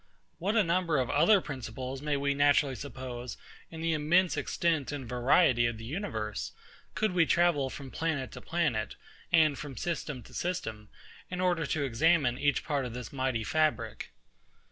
What a number of other principles may we naturally suppose in the immense extent and variety of the universe, could we travel from planet to planet, and from system to system, in order to examine each part of this mighty fabric?